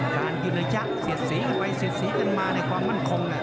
การยืนระยะเสียดสีกันไปเสียดสีกันมาในความมั่นคง